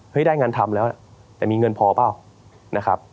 เฮ้ยได้งานทำแล้วแต่มีเงินพอเปล่า